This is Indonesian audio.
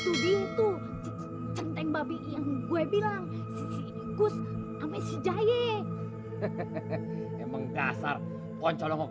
itu dia tuh centeng babi yang gue bilang si ikus ame si jaye hehehe emang dasar poncolongok